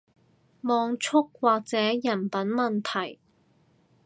網速或者人品問題